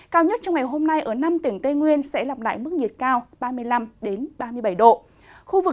cao nhất trong ngày hôm nay ở năm tỉnh tây nguyên sẽ lặp lại mức nhiệt cao ba mươi năm ba mươi bảy độ